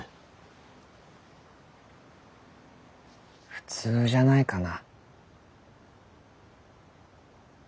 普通じゃないかな。